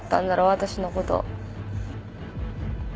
私のこと。